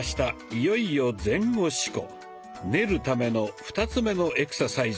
いよいよ「練る」ための２つ目のエクササイズです。